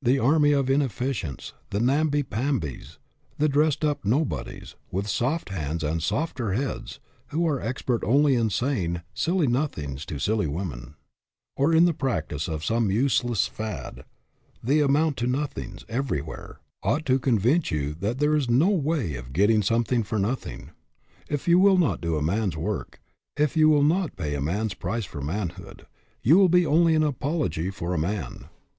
The army of inefficients the namby pambies, DOES THE WORLD OWE YOU? 215 the dressed up nobodies, with soft hands and softer heads, who are expert only in saying " silly nothings to silly women," or in the practice of some useless fad, the " amount to nothings " everywhere, ought to convince you that there is no way of getting something for nothing. If you will not do a man's work, if you will not pay a man's price for manhood, you will be only an apology for a man.